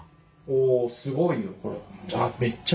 おおすごいよこれ。